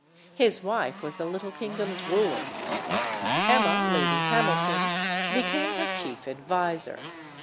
His wife was the little kingdom's ruler. Emma, Lady Hamilton, became her chief adviser.